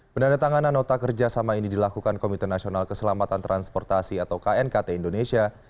penandatanganan nota kerjasama ini dilakukan komite nasional keselamatan transportasi atau knkt indonesia